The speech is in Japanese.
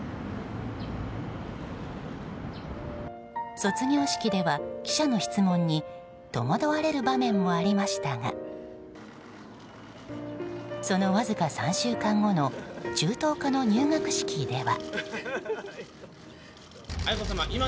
卒業式では、記者の質問に戸惑われる場面もありましたがそのわずか３週間後の中等科の入学式では。